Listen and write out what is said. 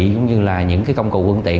cũng như là những công cụ quân tiện